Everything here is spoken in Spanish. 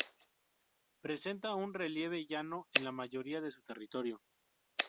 Presenta un relieve llano en la mayoría de su territorio.